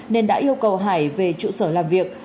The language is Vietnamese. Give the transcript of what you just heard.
nên đã yêu cầu hải về trụ sở làm việc